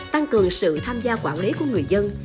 tăng cường sự tham gia quản lý của người dân